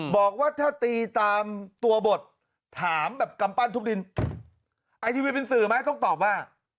บอกว่าถ้าตีตามตัวบทถามแบบกำปั้นทุบดินไอทีวีเป็นสื่อไหมต้องตอบว่า